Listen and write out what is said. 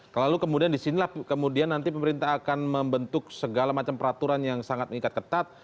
jadi disinilah kemudian nanti pemerintah akan membentuk segala macam peraturan yang sangat mengikat ketat